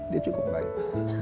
dia cukup baik